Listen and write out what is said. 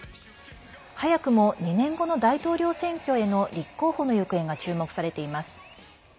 早くも２年後の大統領選挙への立候補の行方が注目されています。